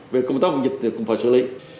về công tác phòng dịch thì cũng phải xử lý